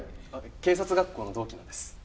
警察学校の同期なんです。